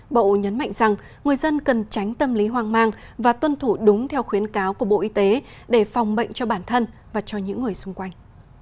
bộ nhấn mạnh rằng người dân cần tránh tâm lý hoang mang và tuân thủ đúng theo khuyến cáo của bộ y tế để phòng bệnh cho bản thân và cho những người xung quanh